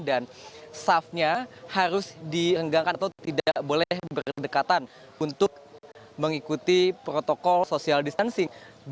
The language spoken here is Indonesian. dan shalatnya harus dihenggangkan atau tidak boleh berdekatan untuk mengikuti protokol social distancing